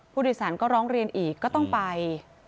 ผู้โดยสารก็ร้องเรียนอีกก็ต้องไป